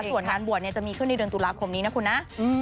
ส่วนงานบวชจะมีขึ้นในเดือนตุลาคมนี้นะคุณนะ